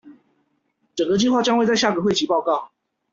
整個計畫將會在下個會期報告